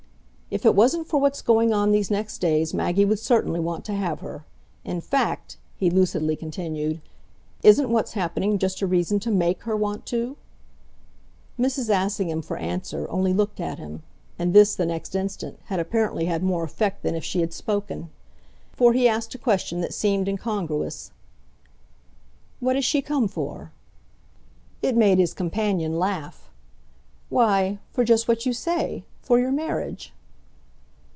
"If it wasn't for what's going on these next days Maggie would certainly want to have her. In fact," he lucidly continued, "isn't what's happening just a reason to MAKE her want to?" Mrs. Assingham, for answer, only looked at him, and this, the next instant, had apparently had more effect than if she had spoken. For he asked a question that seemed incongruous. "What has she come for!" It made his companion laugh. "Why, for just what you say. For your marriage."